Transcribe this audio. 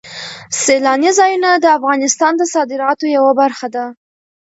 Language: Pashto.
سیلاني ځایونه د افغانستان د صادراتو یوه برخه ده.